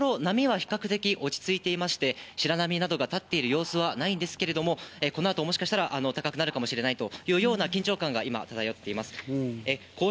海の様子を見てみると、今のところ波は比較的落ち着いていまして、白波などがたっている様子はないんですけれども、この後、もしかしたら高くなるかもしれないというような緊張感が今出ています。